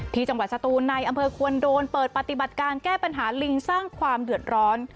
จังหวัดสตูนในอำเภอควรโดนเปิดปฏิบัติการแก้ปัญหาลิงสร้างความเดือดร้อน